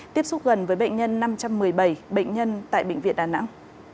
tiếp xúc gần với bệnh nhân năm trăm một mươi bảy bệnh nhân tại bệnh viện đà nẵng